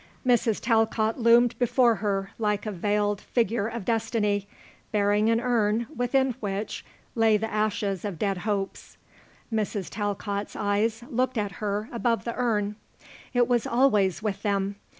Mrs. Talcott loomed before her like a veiled figure of destiny bearing an urn within which lay the ashes of dead hopes. Mrs. Talcott's eyes looked at her above the urn. It was always with them.